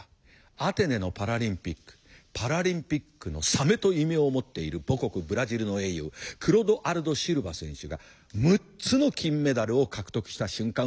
アテネのパラリンピック「パラリンピックの鮫」と異名を持っている母国ブラジルの英雄クロドアルド・シルバ選手が６つの金メダルを獲得した瞬間を見た。